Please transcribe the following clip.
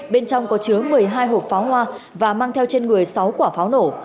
bên trong có chứa một mươi hai hộp pháo hoa và mang theo trên người sáu quả pháo nổ